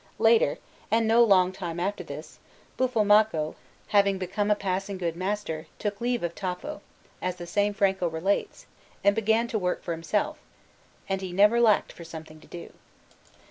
Later, and no long time after this, Buffalmacco, having become a passing good master, took leave of Tafo, as the same Franco relates, and began to work for himself; and he never lacked for something to do.